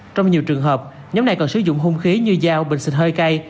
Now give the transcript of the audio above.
trong nhiều trường hợp nhóm này còn sử dụng hung khí như dao bình xịt hơi cay